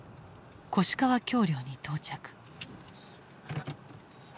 越川橋梁に到着。